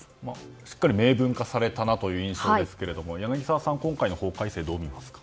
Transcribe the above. しっかり明文化されたなという印象ですけど柳澤さん、今回の法改正どう見ますか？